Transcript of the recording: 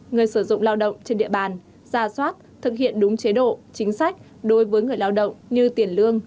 người sử dụng lao động trên địa bàn ra soát thực hiện đúng chế độ chính sách đối với người lao động như tiền lương